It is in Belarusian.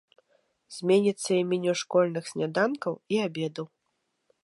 Зменіцца і меню школьных сняданкаў і абедаў.